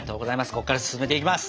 ここから進めていきます。